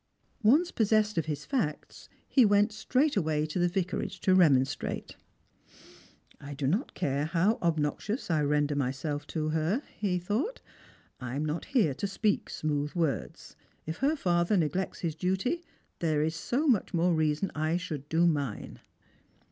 Once possessed of his facts, he went straightway to the Vicarage to remonstrate. " I do not care how obnoxious I render myself to her," he thought. " I am not here to speak smooth words. If her father neglects his duty, there is so much more reason I should do mine."